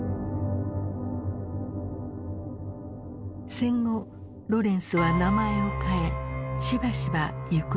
戦後ロレンスは名前を変えしばしば行方をくらませた。